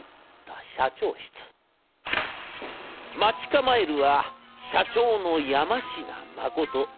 待ち構えるは社長の山科誠。